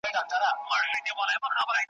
د کنړ غرغړې اورم ننګرهار په سترګو وینم ,